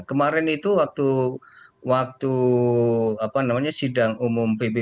kemarin itu waktu sidang umum pbb